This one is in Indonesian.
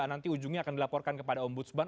nanti ujungnya akan dilaporkan kepada ombudsman